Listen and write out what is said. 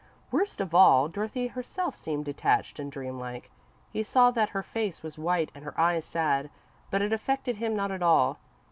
Worst of all, Dorothy herself seemed detached and dream like. He saw that her face was white and her eyes sad, but it affected him not at all.